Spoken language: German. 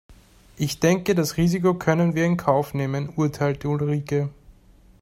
"Ich denke das Risiko können wir in Kauf nehmen", urteilte Ulrike.